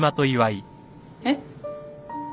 えっ？